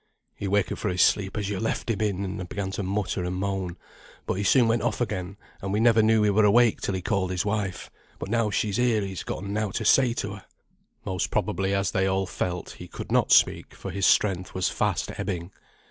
"He wakened fra his sleep, as yo left him in, and began to mutter and moan; but he soon went off again, and we never knew he were awake till he called his wife, but now she's here he's gotten nought to say to her." Most probably, as they all felt, he could not speak, for his strength was fast ebbing.